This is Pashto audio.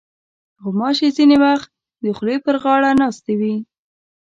غوماشې ځینې وخت د خولې پر غاړه ناستې وي.